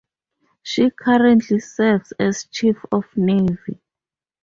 She currently serves as Chief of Navy.